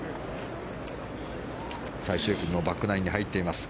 最終組もバックナインに入っています。